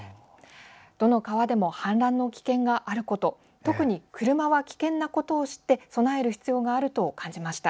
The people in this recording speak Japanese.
どの川でも氾濫の危険があること特に車は危険なことを知って備える必要があると感じました。